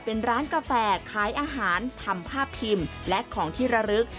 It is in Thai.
เป็นร้านกาแฟขายอาหารทำภาพพิมพ์และของที่ระลึก